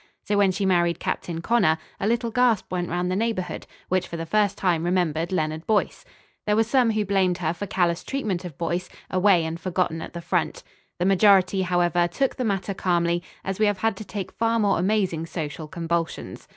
So when she married Captain Connor, a little gasp went round the neighbourhood, which for the first time remembered Leonard Boyce. There were some who blamed her for callous treatment of Boyce, away and forgotten at the front. The majority, however, took the matter calmly, as we have had to take far more amazing social convulsions.